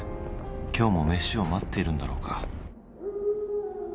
今日も飯を待っているんだろうか？